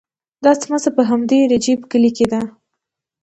دا څمڅه په همدې رجیب کلي کې ده.